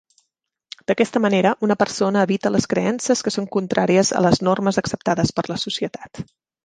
D'aquesta manera, una persona evita les creences que són contràries a les normes acceptades per la societat.